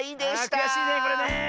ああくやしいねこれねえ。